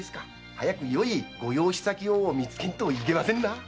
早くよいご養子先を見つけんといけませんな。